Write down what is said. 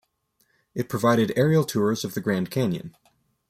It provided aerial tours of the Grand Canyon.